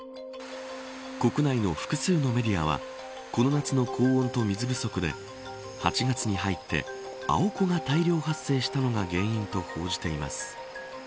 国内の複数のメディアはこの夏の高温と水不足で８月に入ってアオコが大量発生したのが原因と報じています。